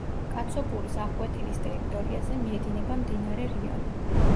კაცობურის აღკვეთილის ტერიტორიაზე მიედინება მდინარე რიონი.